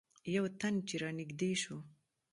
یو تن چې رانږدې شو.